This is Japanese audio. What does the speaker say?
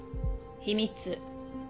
秘密。